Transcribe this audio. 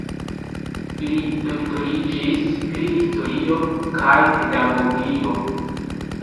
Li doktoriĝis pri historio kaj pedagogio.